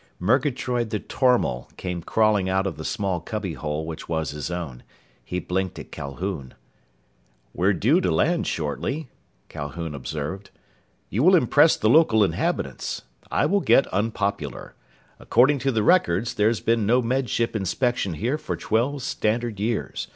_" Murgatroyd the tormal came crawling out of the small cubbyhole which was his own. He blinked at Calhoun. "We're due to land shortly," Calhoun observed. "You will impress the local inhabitants. I will get unpopular. According to the records, there's been no Med Ship inspection here for twelve standard years.